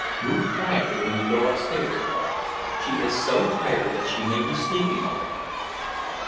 "Move quietly when you go upstairs, Claude. She is so tired that she may be asleep already."